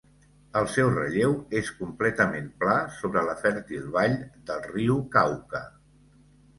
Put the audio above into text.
El seu relleu és completament pla, sobre la fèrtil vall del riu Cauca.